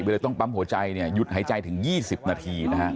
เวลาต้องปั๊มหัวใจหยุดหายใจถึง๒๐นาทีนะครับ